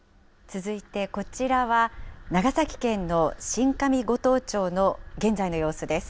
続いてこちらは長崎県の新上五島町の現在の様子です。